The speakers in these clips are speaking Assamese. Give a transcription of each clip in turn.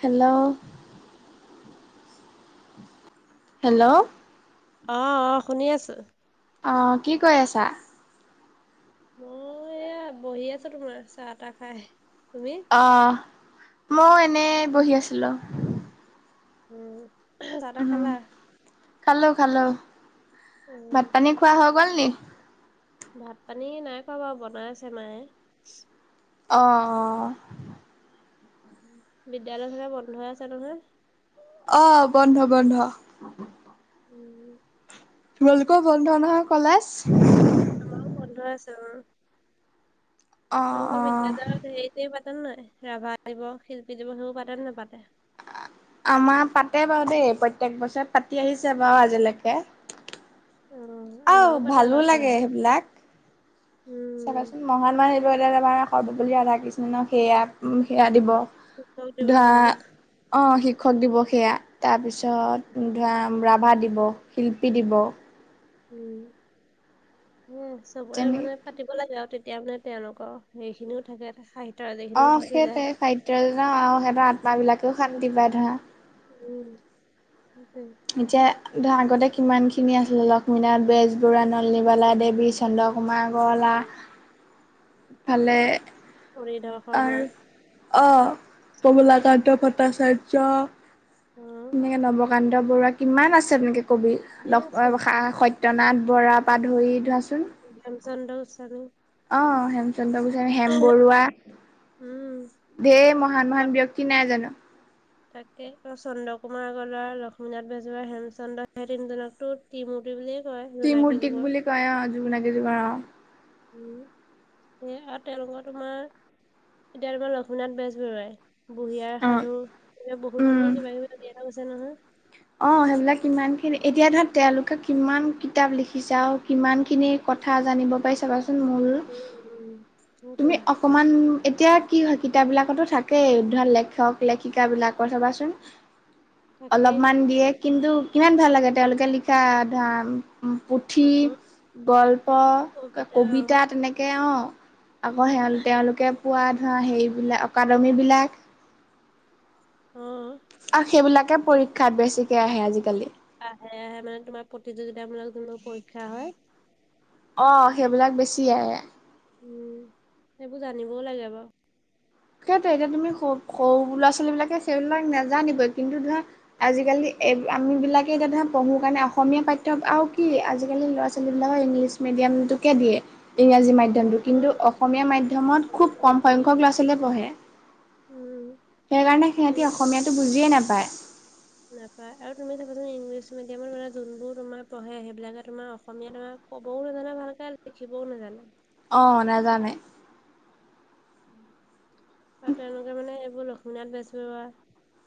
হেল্ল' হেল্ল' অ অ', শুনি আছো। অ', কি কৰি আছা? মই এয়া বহি আছো তোমাৰ চাহ- তাহ খাই, তুমি? অঁ, মইও এনে বহি আছিলো। উম, চাহ -তাহ খালা? খালোঁ খালোঁ, উম ভাত পানী খোৱা হৈ গ'ল নি? ভাত পানী নাই খোৱা বাৰু বনাই আছে মায়ে। অঁ অঁ। বিদ্যয়ালয় থে বন্ধই আছে নহয় [unintelligible] অ', বন্ধ বন্ধ। উম। তোমালোকৰ বন্ধ নহয় কলেজ? আমাৰো বন্ধৰ আছে অ, অঁ তোমালোকৰ অঁ বিদ্্যালয়তেই গো পাতত নহাই ৰাভা দিব শিল্পী দিব সেইও পাতত নাপাতে [inaudible] আমাৰ পাতে বাৰু দেই প্ৰত্যেক বছৰত পাতি আহিছে বাৰু আজিলৈকে। অ', আৰু আমাৰো পতে ভালো বাৰু লাগে কলেজত। সেইবিলাক। উম। চাবাচোন মহান মাহুহটো এতিয়া তমাৰ সৰ্বপল্লী ৰাধাকৃষ্ণক সেয়া সেয়া দিব শিক্ষক [unintelligible] [inaudible] ধৰা, দিৱস অ অ, শিক্ষক দিৱস সেয়া, তাৰপিছত ধৰা ৰাভা দিব, শিল্পী দিব উম চবৰে যেনে মানে পাতিব লগে আওঁ তেতিয়া মানে তেওঁলোকৰ সেইখিনিও থাকে সাহিত্যৰাজিখিনিও থাকি যায়। তে যওঁ আৰু সিহঁতৰত্মাবিলাকেও শান্তি পায় ধৰা। [inaudible] উম স [inaudible] এতিয়া ধৰা, আগতে কিমানখিনি আছিলে লক্ষ্মীনাথ বেজবৰুৱা নলনীৱালা দেৱী চন্দ্ৰকুমাৰ আগৰৱালা, উম, ফালে কৰিধ [inaudible] আৰু অঁ, কমলাকান্ত ভট্টাচাৰ্য অ', তেনেকে নৱকান্ত বৰুৱা, কিমান আছে তেনেকে কবি ধেৰ আছে। সত্য় ৰত্যনাথ বৰা পা ধৰি ধৰাচোন। ম চডছান [inaudible] অ হেমচন্দ্ৰ গোস্বামী, হেমবৰুৱা উম, ধেৰ মহান আগত মহান ব্যক্তি নাই জানো? তাকে চন্দ্ৰ কুমাৰ আগৰৱালা, লক্ষ্মীনাথ বেজবৰুৱা, হেমচন্দ্ৰ সেই তিনিজনকো ত্ৰি মূৰ্তি বুলি ত্ৰি মূৰ্তিক বুলি কয় অঁ, যগোন কেইজোগাৰ [unintelligible] [inaudible] উম আৰু তেওঁলোকৰ তোমাৰ এতিয়া তোমাৰ লক্ষ্মীনাথ বেজবৰুৱাই বুঢ়ি আইৰ সাধু, এই বহুত খিনি কিবা কিবি দিয়া গৈছে নহয়। অঁ সেইবিলাক কিমানখিনি, এতিয়া ধৰা তেওঁলোকে কিমান কিতাপ লিখিছে আৰু কিমানখিনি কথা জানিব পাৰি চাবাচোন মূল উম, উম তুমি সেইটোৱে। অকমান এতিয়া কি হয় কিতাপ বিলাকতো থাকেই, ধৰ লেখক লেখিকা বিলাকৰ চবাচোন। তাকেই অলপমান দিয়ে, কিন্তু কিমান ভাল লাগে তেওঁলোকে লিখা ধৰা অ পুথি, গল্প, কবিতা, তেনেকে অ'। আকৌ তেওঁলোকে পোৱা ধৰা, হেই বিলাক অকাডেমীবিলাক অ'। আৰু সেইবিলাকে ঠিক পৰীক্ষাত বেছিকে আহে আজিকালি। আহে, আহে, মানে তোমাৰ প্ৰতিযোগিতা মূলক [unintelligible] পৰীক্ষা হয়। অ', সেইবিলাক বেছি আহে। উম, সেইবোৰ জানিবও লাগে বাৰু। সেইটোৱেতো, এতিয়া তুমি সৰু ল'ৰা-ছোৱালী বিলাকে সেইবিলাক নেজানিবই কিন্তু ধৰা আজিকালি এই আমি বিলাকে [unintelligible] পঢ়ো কাৰণে অসমীয়া পাঠ্য, আৰু কি আজিকালি ল'ৰা ছোৱাল ইংলিছ মিডিয়ামটোকে দিয়ে, ইংৰাজী মাধ্য মাধ্যমতো, কিন্তু অ', অসমীয়া মাধ্যমত খুব অসমীয়া কম নিদিয়ে সংখ্যক ল'ৰা-ছোৱালীয়ে পঢ়ে। উম। সেইকাৰণে সিহঁতি ইংৰাজী অসমীয়াতটো বুজিয়ে নাপায়। নাপায় আৰু তুমি চাবাচোন ইংলিছ মিডিয়ামৰ যোনবোৰ তোমাৰ পঢ়ে, সেইবিলাকে তোমাৰ অসমীয়া ধৰা ক'বও নেজানে ভালকে, লিখিবও নেজানে। অ', নাজানে। [inaudible] আৰু তেওঁলোকে মানে, এইবোৰ লক্ষ্মীনাথ বেজবৰুৱা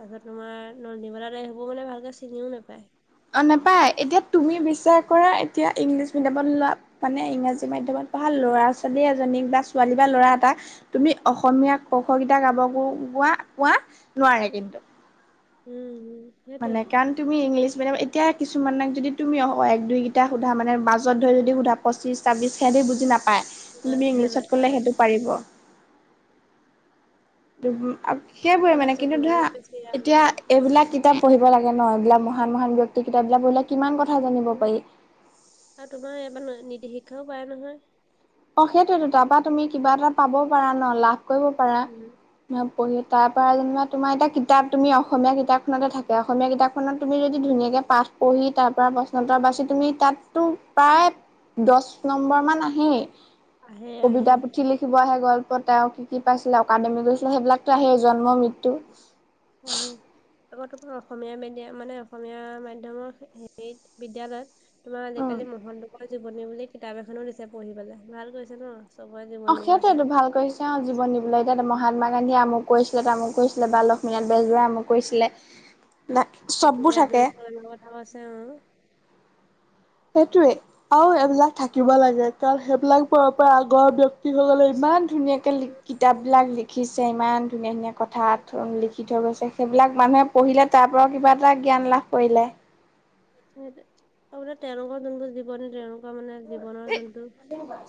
তাৰপিছত তোমাৰ নন্দী [unintelligible] ভালকৈ চিঙিও নাপায়। অ', নাপায়, এতিয়া তুমি বিশ্বাস কৰা এতিয়া ইংলিছ মিডিয়ামত ল'ৰা মানে ইংৰাজী মাধ্যমত পঢ়া ল'ৰা-ছোৱালী এজনীক বা ছোৱালী বা ল'ৰা এটা তুমি অসমীয়া ক, খ কেইটা গাব গোৱা-কোৱা নোৱাৰে কিন্তু। উম, হম। মানে কাৰণ তুমি ইংলিছ মিডিয়াম, এতিয়া কিছুমানক যদি তুমি এক দুই কেইটা সোধা মানে মাজত ধৰি যদি সোধা পঁচিছ, ছাব্বিছ সেহঁতি বুজি নাপায় কিন্তু তুমি ইংলিছত নাপায় ক'লে সেইটো পাৰিব। সেইবোৰে মানে, খৰচো কিন্তু ধৰা বহুত বেছি আৰু এতিয়া এইবিলাক কিতাপ পঢ়িব লাগে নহ, এইবিলাক মহান মহান ব্যক্তি কিতাপবিলাক পঢ়িলে কিমান কথা জানিব উম, পাৰি। আৰু তোমাৰ [unintelligible] নীতি শিক্ষাও পায় নহয়। অ', সেইটোয়েতো তাৰাপা তুমি কিবা এটা পাব পাৰা নহ, লাভ কৰিব পাৰা। উম, পঢ়ি তাৰপৰা যেনিবা তোমাৰ এতিয়া কিতাপ তুমি অসমীয়া কিতাপখনতে থাকে, অসমীয়া কিতাপখনত তুমি যদি ধুনীয়াকে পাঠ পঢ়ি, তাৰ পৰা প্ৰশ্ন উত্তৰ বাচি তুমি তাতটো প্ৰায় দশ নম্বৰ মান আহেই, আহে আহে কবিতা পুথি লিখিব আহে, গ'ল তেওঁ কি কি পাইছিল, অকাডেমি গৈছিলে সেইবিলাকতো আহে জন্ম-মৃত্যু। হয়। [unintelligible] অসমীয়া মিডিয়াম, মানে অসমীয়া মাধ্যমৰ হেৰিত বিদ্যালয়ত তোমাৰ আজিকালি মহন্তোকৰ জীৱনী বুলি কিতাপ এখনো দিছে পঢ়িবলে, ভাল কৰিছে নহ। অ', সেইটোৱেইতো ভাল কৰিছে, অ', জীৱনী দিবলৈ এতিয়াত মহাত্মা গান্ধীয়ে আমু কৰিছিলে তামু কৰিছিলে বা লক্ষ [unintelligible] বেজবৰা আমুক কৰিছিলে। এ পি চববোৰ জে আব্দুল থাকে। কালামৰ কথা কৈছে, উম। সেইটোৱে আৰু এইবিলাক থাকিব লাগে, কাৰণ সেইবিলাকবোৰৰ পৰা আগৰ ব্যক্তি ব্যক্তি সকলে ইমান ধুনীয়াকে লি উম, কিতাপ উম, বিলাক লিখিছে, ইমান ধুনীয়া ধুনীয়া কথা সেইটোৱে। লি লিখি থৈ গৈছে, সেইবিলাক মানুহে পঢ়িলে তাৰ পৰাও কিবা এটা জ্ঞান লাভ কৰিলে। [unintelligible] তেওঁলোকৰ [unintelligible] তেওঁলোক তেনেকুৱা, মানে জীৱনৰ যোনটো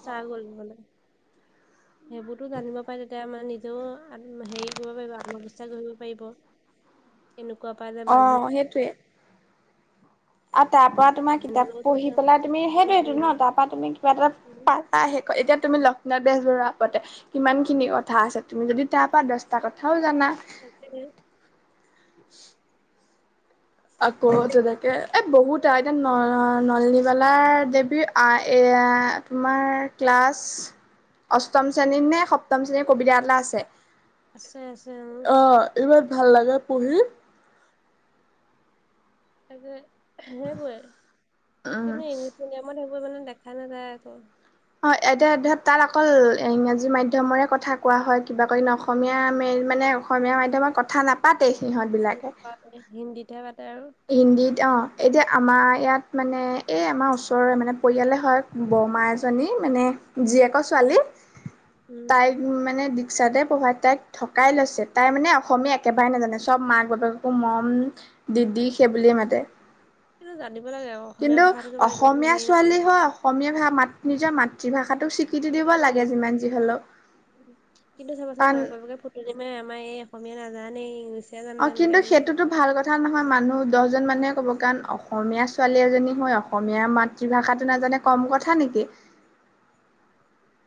ষ্টাৰ গ'ল মানে। [inaudible] সেইবোৰতো জানিব পাৰে, তেতিয়া নিজেও হেৰি কৰিব পাৰিব আত্মবিশ্বাস গঢ়িব পাৰিব। [inaudible] এনেকুৱা পাই যে মানুহে অ', সেইটোয়ে। আৰু তাৰ পৰা তোমাৰ কিতাপ নলেওতো পঢ়ি তেওঁ পেলাই তুমি উম সেইটোৱটো ন উম তাৰপৰা তুমি কিবা এটা উম পা আহ শেষ এতিয়া তুমি লক্ষ্মীনাথ বেজৰুৱা পাতে কিমানখিনি কথা আছে তুমি যদি তাৰ পৰা দহটা কথাও জানা। [inaudible] আকৌ তেনেকে এই বহুত আৰু এতিয়া ন নলনীবালা দেৱীৰ আহ এয়া তোমাৰ ক্লাছ অষ্টম শ্ৰেণীৰত নে সপ্তম শ্ৰেণীৰ কবিতা এটা আছে। আছে আছে অ'। ইমান ভাল লগে পঢ়ি। তাকে সেইবোৰেই উম কিন্তু ইংলিছ মিডিয়ামত সেইবোৰ মানে দেখা নাযায় আকৌ। অ', এতিয়া তাত অকল ইংৰাজী মাধ্যমৰে কথা কোৱা হয় কিবা কৰি ন অসমীয়া ম মানে অসমীয়া মাধ্যমত কথা নাপাতেই সিহঁতবিলাকে। নাপাতে হিন্দীতহে পাতে আৰু। হিন্দীত অ' এতিয়া আমাৰ ইয়াত মানে এই আমাৰ ওচৰৰে মানে পৰিয়ালে হয়। বৰমা এজনী মানে জীয়েকৰ ছোৱালী উম তাইক মানে দীক্ষাতে পঢ়াই তাইক থকাই লৈছে। তাই মানে অসমীয়া একেবাৰে নাজানে চব মাক বাপে ম'ম দিদি সেই বুলিয়ে মাতে। কিন্তু জানিব লাগে আৰু অসমীয়া কিন্তু ভাষাটো কিবা ইমানো অসমীয়া হেৰি ছোৱালী নহয় হয় অসমীয়া ভাষা মাত নিজৰ মাতৃভাষাটো সেইটোয়ে, কিন্তু চাবাচোন কাৰণ মাক বাপেকে ফুত আমাৰ এই অসমীয়া নাজানে ইংলিছ অ', কিন্তু সেইটো টো ভাল কথা নহয় মানুহ দহজন মানুহে ক'ব। কাৰণ অসমীয়া ছোৱালী এজনী হৈ অসমীয়া মাত মাতৃভাষাটো নাজানে কম কথা নেকি!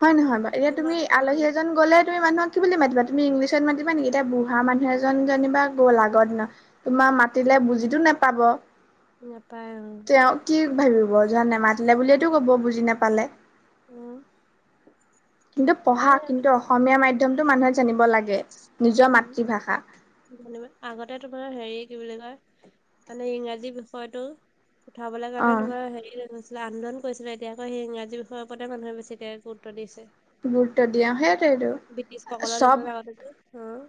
হয় নহয় বাৰু? এয়া কিন্তু মা তুমি অ আলহী এজন গ'লে তমি মানুহ কি বুলি মাতিবা তুমি ইংলিছত মাতিবা নেকি? এতিয়া বুঢ়া মানুহ এজন জেনিবা গ'লা আগৰ দিনৰ! তোমাৰ মাতিলে বুজিতো নেপাব। নাপায় অ'। তেওঁ কি ভাবিব যে নেমাতিলে বুলিয়েতো ক'ব বুজি নাপালে। উম। কিন্তু পঢ়া কিন্তু অসমীয়া মাধ্যমতো মানুহে জানিব লাগে নিজৰ মাতৃভাষা। আগতে তোমাৰ হেৰি কি বুলি কয় মানে ইংৰাজী বিষয়টো। উঠাবলে অ কাৰণে তোমাৰ হেৰি আন্দোলন কৰিছিলে। এতিয়া আকৌ ইংৰাজী বিষয়ৰ ওপৰতে মানুহে বেছি গুৰুতৰ দিছে। গুৰুত্ব দিয়ে সেইটোৱেইটো ব্ৰিটিছসকলৰ চব দিনত আগতেটো। উম।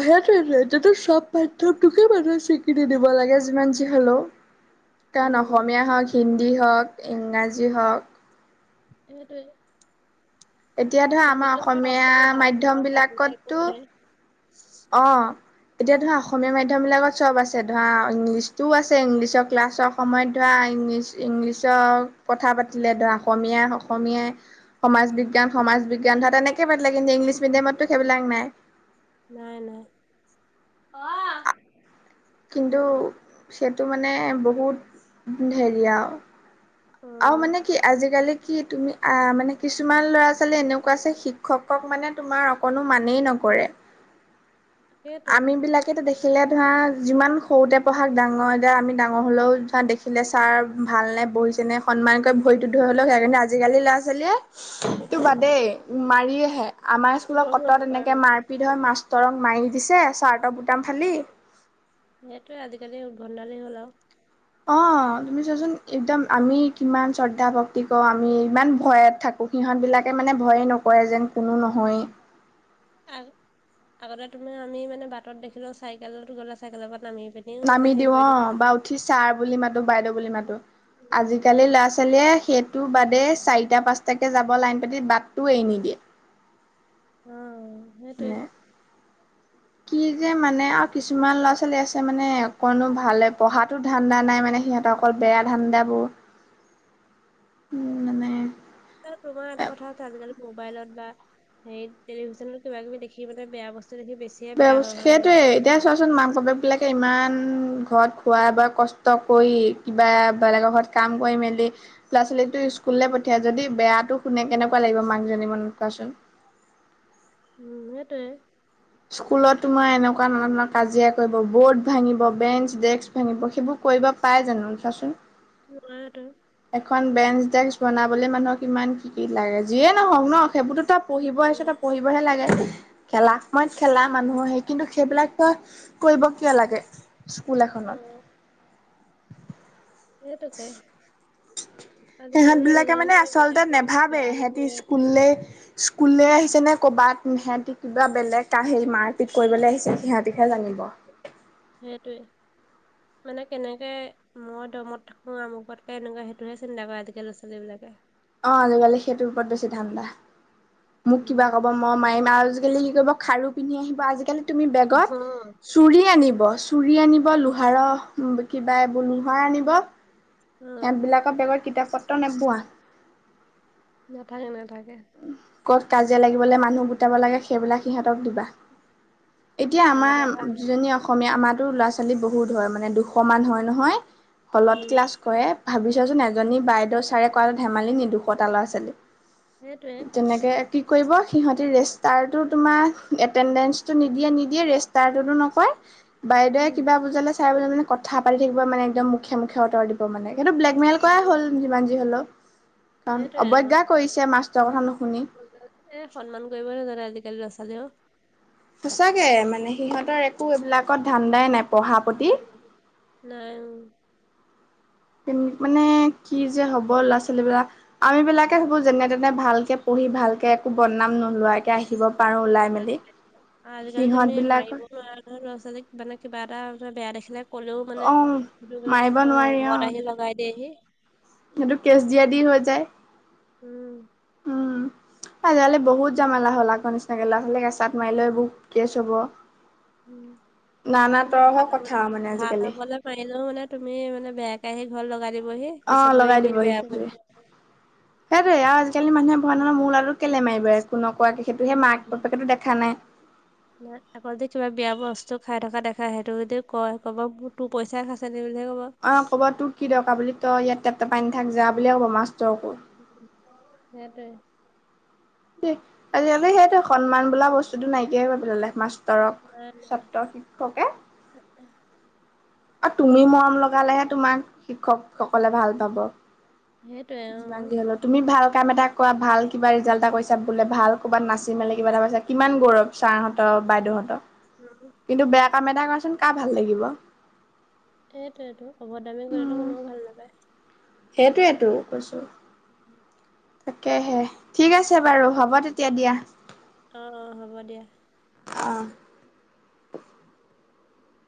অ', সেইটোৱেটো চব পাঠ্যটোকে বাৰু স্বীকৃতি দিব লাগে যিমান যি হ'লেও। কাৰণ উম অসমীয়া হওঁক হিন্দী হওঁক ইংৰাজী হওঁক। সেইটোৱে। এতিয়া ধৰা আমাৰ অসমীয়া মাধ্যম বিলাকতো [inaudible] অ'। এতিয়া ধৰা অসমীয়া মাধ্যমবিলাকত চব আছে ধৰা ইংলিছটোও আছে ইংলিছৰ ক্লাছৰ সময়ত ধৰা ইংলিছ ইংলিছৰ কথা পাতিলে ধৰা অসমীয়াই অসমীয়াই। সমাজ বিজ্ঞান সমাজ বিজ্ঞান ধৰা তেনেকে পাতিলে। কিন্তু ইংলিছ মিডিয়ামতো উম, সেইবিলাক নাই। নাই নাই অ'। কিন্তু সেইটো মানে বহুত হেৰি আৰু। অ আৰু মানে কি আজিকালি কি তুমি মানে কিছুমান ল'ৰা ছোৱালী এনেকুৱা আছে শিক্ষকক মানে তোমাৰ অকণো মানেই নকৰে। সেইটো আমিবিলাকেতো দেখিলে ধৰা যিমান সৰুতে পঢ়াক ডাঙৰ যে আমি ডাঙৰ হলেও ধৰা দেখি দেখিলে ছাৰ ভালনে বহিছেনে সন্মানক ভৰিটোত ধৰি হ'লেও আজিকালি ল'ৰা ছোৱালীয়ে তো উম বাদেই মাৰি আহে আমাৰ মাতিব স্কুলত কত নকৰে এনেকে মাৰ মাষ্টৰক মাৰি দিছে চাৰ্টৰ বুটাম ফালি। সেইটোৱে আজিকালি উদভণ্ডালী হ'ল আৰু। অ', তুমি চোৱাচোন একদম আমি কিমান শ্ৰদ্ধা ভক্তি কৰো আমি ইমান ভয়ত থাকো। সিহঁতবিলাকে মানে ভয়েই নকৰে যেন কোনো নহয়ে। আ-আগতে তোমাৰ আমি মানে বাটত দেখিলেও চাইকেলত গ'লো চাইকেলৰ পৰা নামি পিনিও মানে নামি হেৰি দিওঁ কৰি অ' বা উঠি ছাৰ বুলি মাতো বাইদেউ বুলি মাতো। আজি উম, আজিকালি ল'ৰা ছোৱালীয়ে সেইটো বাদে চাৰিটা পাঁচটাকে যাব লাইন পাতি বাটটোও এৰি নিদিয়ে। উম, সেইটোৱে। মানে কি যে মানে আৰু কিছুমান ল'ৰা ছোৱালী আছে মানে অকনো ভালে পঢ়াত তো ধান্দা নাই মানে সিহঁত অকল বেয়া ধান্দাবোৰ। উম মানে তোমাৰ এটা কথা আজিকালি মোবাইলত বা সেই টেলিভিশ্যনত কিবা কিবি দেখিানে বেয়া বস্তু দেখি বেছি বেয়া বস্তু সেইটোয়ে এতিয়া চোৱাচোন মাক বাপেবিলাকে ইমান ঘৰত খোৱাই বোৱাই কষ্ট কৰি কিবা বেলেগৰ ঘৰত কাম কৰি মেলি ল'ৰা ছোৱালীতো স্কুললৈ পঠিয়াই। যদি বেয়াটো শুনে কেনেকুৱা লাগিব মাকজনীৰ মনত কোৱাচোন। উম, সেইটোৱে। স্কুলত তোমাৰ এনেকুৱা ধৰণৰ কাজিয়া কৰিব বৰ্ড ভাঙিব বেঞ্চ ডেস্ক ভাঙিব সেইবোৰ কৰিব পাই জানো চোৱাচোন। [inaudible] এখন বেঞ্চ ডেস্ক বনাবলৈ মানুহক কিমান কি কি লাগে। যিয়ে নহওঁক ন সেইবোৰতো তই উম পঢ়িব আহিছ উম তই পঢ়িবহে লাগে খেলা সময়ত খেলা মানুহৰ কিন্তু সেইবিলাক তই কৰিব কিয় লাগে স্কুল এখনত। অ এইটোকেই। সিহঁতবিলাকে মানে দিনে বেয়া আচলতে পৰা নেভাবে বেয়ালে সেহঁতি গৈ আছে স্কুললৈ স্কুললৈ আহিছেনে ক'ৰবাত সিহঁতি কিবা বেলেগ মাৰপিট কৰিবলৈ আহিছে সিহঁতিহে জানিব আৰু। সেইটোৱে। মানে কেনেকে মই দমত থাকো আমুকতকে এনেকুৱা সেইটোহে চিন্তা কৰে আজিকালি ল'ৰা ছোৱালীবিলাকে। অ', আজিকালি সেইটোৰ ওপৰত বেছি ধাণ্ডা মোক উম কিবা ক'ব মই মাৰিম আজিকালি কি কৰিব খাৰু পিন্ধি আহিব আজিকালি তুমি অ বেগত চুৰি আনিব চুৰি আনিব লোহাৰৰ কিবা এইবোৰ লোহাৰ আনিব। অ সেইবিলাকৰ বেগত কিতাপ পত্ৰ নোপোৱা। নাথাকে নাথাকে। ক'ত কাজিয়া লাগিবলৈ মানুহ গোটাব লাগে সেইবিলাক সিহঁতক দিবা। এতিয়া আমাৰ আগতে কাৰণ উজনি অসম অসমীয়া আমাৰতো ল'ৰা ছোৱালী বহুত হয় মানে দুশমান হয় নহয় হ'লত উম ক্লাছ কৰে। ভাবিছাচোন এজনী বাইদেউ ছাৰে কৰাটো ধেমালি নেকি দুশটা ল'ৰা ছোৱালী। সেইটোৱে তেনেকে কি কৰিব সিহঁতি ৰেষ্টাৰটো তোমাৰ এটেণ্ডেঞ্চটো নিদিয়ে নিদিয়ে ৰেষ্ট ৰতো নকয় বাইদেৱে উম কিবা বুজালে চাইলৈ মানে কথা পাতি থাকিব মানে একদম মুখে মুখে উত্তৰ দিব মানে। সেইটো ব্লে একমেল অ কৰাই হ'ল যিমান যি হ'লেও কাৰণ সেইটোৱে অ অৱজ্ঞা কৰিছে মাষ্টৰটোৰ কথা নুশুনি। সন্মান কৰিব নাজানে আজিকালি ল'ৰা ছোৱালীয়ে অ'। সঁচাকে মানে সিহঁতৰ একো এইবিলাকত ধান্দাই নাই। পঢ়া প্ৰতি নাই নাই অ'। মানে কি যে হ'ব ল'ৰা ছোৱালীবিলাক। আৰু এইবিলাকে ভাবোঁ যেনে তেনে ভালকে পঢ়ি ভালকে একো বনাম নোলোৱাকে আহিব পাৰো ওলাই মেলি আজিকালি সিহঁত তুমি মাৰিব বিলাকৰ বেলেগ ল'ৰা-ছোৱালীক মানে কিবা এটা বেয়া দেখিলে কলেও মানে অ' দুয়োক মাৰিব অহ, নোৱাৰি অ' ঘৰত আহি লগাই দিয়েহি। সেইটো কেচ দিয়া দি হৈ যায়। উম। উম। আজিকালি বহুত জামালা হ'ল আগৰ নিচিনাকে লৰা-ছোৱালীক এচাত মাৰিলে বহু কেছ হ'ব। উম নানা তৰহৰ কথা মানে আজিকালি। মাৰিলেও মানে তুমি মানে বেয়াকে আহি ঘৰত লগাই দিবহি, পিছত অ' গৈ লগাই এনেই দিবহি বেয়া পৰি সেইটোৱে। গৈ সেইটোৱে আৰু আজিকালি মানুহে কয় নহয় মোৰ ল'ৰাটোক কেলে মাৰিলে, একো নকৰাকে সেইটোহে মাক-বাপকেটো দেখা নাই। ন' আকৌ যদি কিবা বেয়া বস্তু খাই থকা দেখা সেইটো যদি কয় ক'ব, মোৰ তোৰ পইচাই খাইছে নে বুলিহে ক'ব। অহ, ক'ব তোৰ কি দৰকাৰ বুলি তই ইয়াত টেপ-টেপাই নাথাক যা বুলিয়ে ক'ব মাষ্টৰকো। সেইটোৱে। আজিকালি সেইটো সন্মান বোলা বস্তুতটো নাইকিয়াই কৰি পেলালে মাষ্ট ধৰক নাই নাই ছাত্ৰ শিক্ষকে। [unintelligible] আৰু তুমি মৰম লগালেহে তোমাৰ শিক্ষকসকলে ভাল পাব, সেইটোৱে যিমান অ'। যি হ'লেও। তুমি ভাল কাম এটা কৰা, ভাল কিবা ৰিজাল্ট এটা কৰিছা বোলে, ভাল ক'ৰবাত নাচি মেলি কিবা এটা পাইছা। কিমান গৌৰৱ ছাৰহঁতক বাইদেউহঁতক। উম', উম'। কিন্তু বেয়া কাম এটা কৰাচোন কাৰ ভাল লাগিব। এইটোয়টো অভদ্ৰদামি কৰিলেতো উম কোননেও ভাল নাপায়। সেইটোৱেতো কৈছো। উম। তাকেহে। ঠিক আছে বাৰু হ'ব তেতিয়া দিয়া। অহ', অহ' হ'ব দিয়া। অ